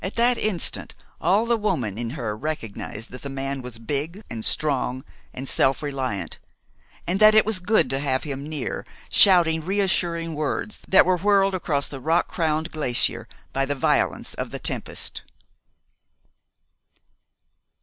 At that instant all the woman in her recognized that the man was big, and strong, and self reliant, and that it was good to have him near, shouting reassuring words that were whirled across the rock crowned glacier by the violence of the tempest.